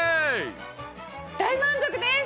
大満足です！